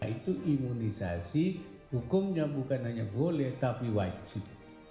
itu imunisasi hukumnya bukan hanya boleh tapi wajib